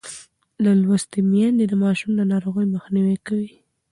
لوستې میندې د ماشوم د ناروغۍ مخنیوی کوي.